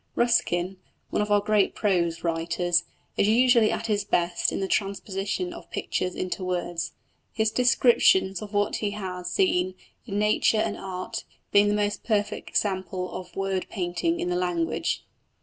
Ruskin, one of our greatest prose writers, is usually at his best in the transposition of pictures into words, his descriptions of what he has seen, in nature and art, being the most perfect examples of "word painting" in the language.